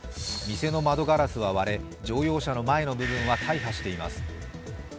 店の窓ガラスは割れ乗用車の前の部分は大破しています。